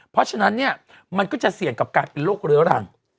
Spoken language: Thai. เพราะฉะนั้นเนี่ยมันก็จะเสี่ยงกับการเป็นโรคเรื้อรัง